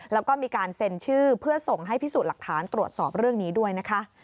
แล้วก็มีการเซ็นชื่อเพื่อส่งให้พิสูจน์หลักฐานตรวจสอบเรื่องนี้ด้วยนะคะ